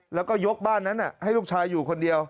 แล้วก็ยกบ้านนั้นให้ลูกชายอยู่คนเดียว